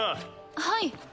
はい。